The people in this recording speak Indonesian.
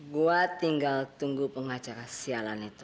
gue tinggal tunggu pengacara sialan itu